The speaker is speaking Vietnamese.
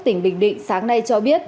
tỉnh bình định sáng nay cho biết